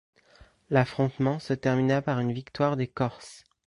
L'affrontement se termina par une victoire des Corses.